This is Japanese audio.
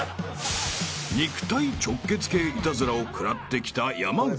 ［肉体直結系イタズラを食らってきた山内］